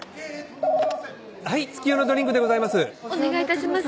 はい月夜野ドリンクでございます。